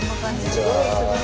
すごいすごい。